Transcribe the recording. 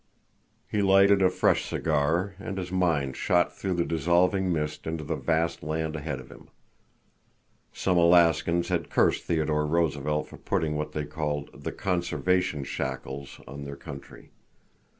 He lighted a fresh cigar, and his mind shot through the dissolving mist into the vast land ahead of him. Some Alaskans had cursed Theodore Roosevelt for putting what they called "the conservation shackles" on their country.